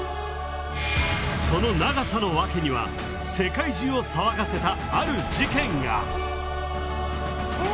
その長さのワケには世界中を騒がせたある事件が。え。